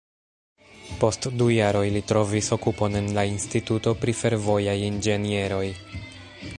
Post du jaroj, li trovis okupon en la Instituto pri Fervojaj Inĝenieroj.